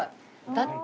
だって